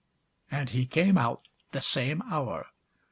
And he came out the same hour.